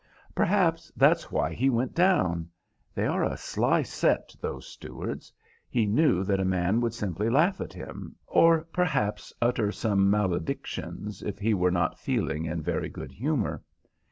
"Perhaps, that's why he went down. They are a sly set, those stewards. He knew that a man would simply laugh at him, or perhaps utter some maledictions if he were not feeling in very good humour.